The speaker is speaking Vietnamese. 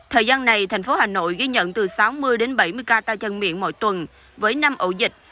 thời gian này thành phố hà nội ghi nhận từ sáu mươi đến bảy mươi ca tay chân miệng mỗi tuần với năm ổ dịch